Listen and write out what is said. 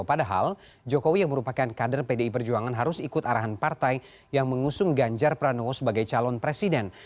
padahal jokowi yang merupakan kader pdi perjuangan harus ikut arahan partai yang mengusung ganjar pranowo sebagai calon presiden